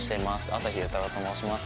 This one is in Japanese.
麻火佑太郎と申します。